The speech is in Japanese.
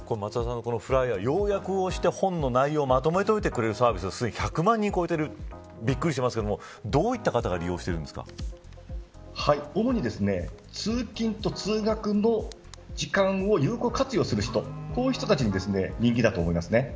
ｆｌｉｅｒは要約をして本の内容をまとめてるサービスが１００万を超えるのはびっくりしますがどういう方が主に、通勤と通学の時間を有効活用する人こういう人たちに人気だと思いますね。